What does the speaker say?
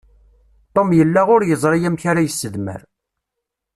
Tom yella ur yeẓri amek ara isedmer.